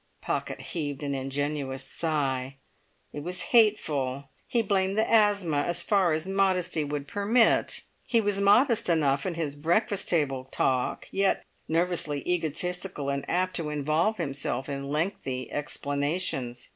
Pocket heaved an ingenuous sigh. It was hateful. He blamed the asthma as far as modesty would permit. He was modest enough in his breakfast table talk, yet nervously egotistical, and apt to involve himself in lengthy explanations.